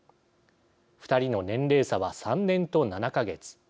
２人の年齢差は３年と７か月。